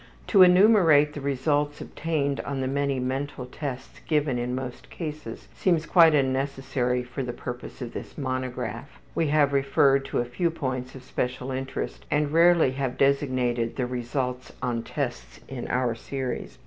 To enumerate the results obtained on the many mental tests given in most cases seems quite unnecessary for the purpose of this monograph. We have referred to a few points of special interest and rarely have designated the results on tests in our series.